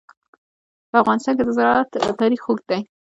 په افغانستان کې د زراعت تاریخ اوږد دی.